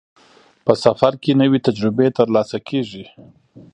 په سفر کې نوې تجربې ترلاسه کېږي.